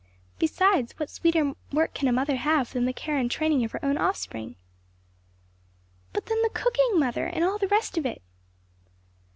"Besides, what sweeter work can a mother have than the care and training of her own offspring?" "But then the cooking, mother, and all the rest of it!"